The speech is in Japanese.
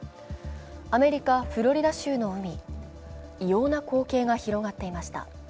アメリカ・フロリダ州の海、異様な光景が広がっていました。